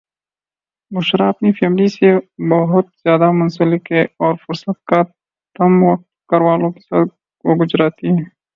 بشریٰ اپنی فیملی سے بوہت زیاد منسلک ہیں اور فرست کا تمم وقت گھر والوں کے ساتھ وہ گجراتی ہیں